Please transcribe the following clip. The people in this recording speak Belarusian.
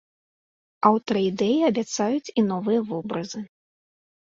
Аўтары ідэі абяцаюць і новыя вобразы.